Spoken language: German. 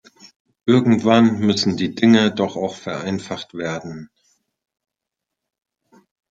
Irgendwann müssen die Dinge doch auch vereinfacht werden?